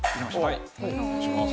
はいお願いします。